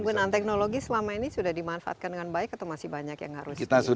penggunaan teknologi selama ini sudah dimanfaatkan dengan baik atau masih banyak yang harus di